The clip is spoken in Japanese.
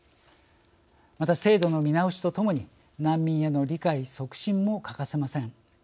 また制度の見直しとともに難民への理解促進も欠かせません。